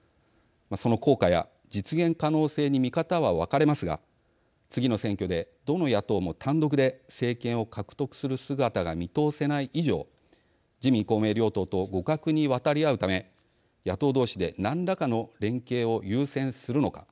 その効果や実現可能性に見方は分かれますが次の選挙で、どの野党も単独で政権を獲得する姿が見通せない以上自民、公明両党と互角に渡り合うため、野党同士で何らかの連携を優先するのか。